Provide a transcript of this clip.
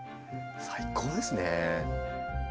最高ですね。